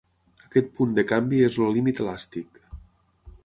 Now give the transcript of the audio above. Aquest punt de canvi és el límit elàstic.